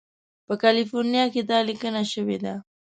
په کالیفورنیا کې دا لیکنه شوې ده.